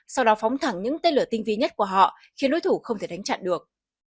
sau đó phóng thẳng những tên lửa tinh vi nhất của họ khiến đối thủ không thể đánh chặn được